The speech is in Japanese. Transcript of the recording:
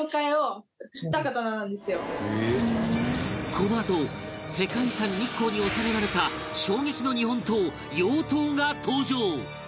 このあと世界遺産日光に納められた衝撃の日本刀妖刀が登場！